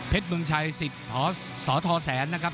เพชรเบื้องชัยสิทธิ์สธแสนนะครับ